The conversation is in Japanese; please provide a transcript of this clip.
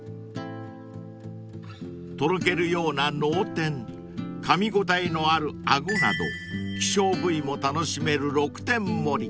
［とろけるような脳天かみ応えのあるアゴなど希少部位も楽しめる６点盛り］